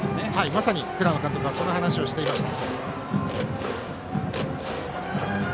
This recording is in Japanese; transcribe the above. まさに倉野監督はそんな話をしていました。